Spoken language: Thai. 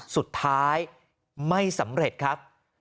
สุดท้ายไม่สำเร็จครับ